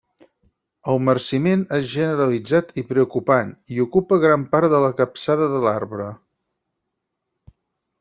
El marciment és generalitzat i preocupant, i ocupa gran part de la capçada de l'arbre.